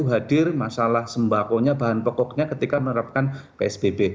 hadir masalah sembakonya bahan pokoknya ketika menerapkan psbb